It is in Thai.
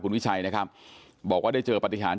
วิชัยนะครับบอกว่าได้เจอปฏิหาร